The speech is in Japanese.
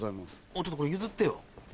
ちょっとこれ譲ってよ。